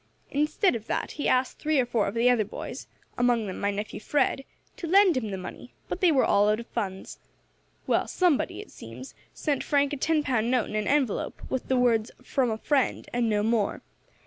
Instead of that, he asked three or four of the other boys among them my nephew Fred to lend him the money, but they were all out of funds. Well, somebody, it seems, sent Frank a ten pound note in an envelope, with the words, 'From a friend,' and no more.